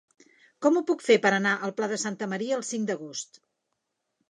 Com ho puc fer per anar al Pla de Santa Maria el cinc d'agost?